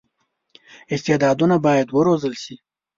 استعدادونه باید وروزل شي.